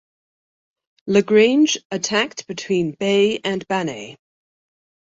Lagrange attacked between Baye and Bannay.